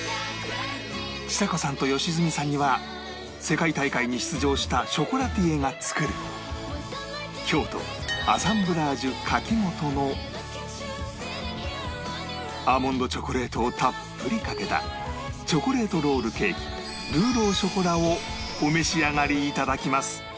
ちさ子さんと良純さんには世界大会に出場したショコラティエが作る京都 ＡＳＳＥＭＢＬＡＧＥＳＫＡＫＩＭＯＴＯ のアーモンドチョコレートをたっぷりかけたチョコレートロールケーキルーローショコラをお召し上がりいただきます